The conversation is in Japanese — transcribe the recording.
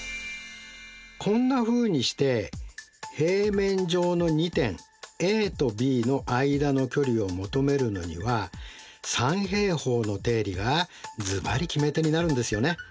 こんなふうにして平面上の２点ＡとＢの間の距離を求めるのには三平方の定理がずばり決め手になるんですよね。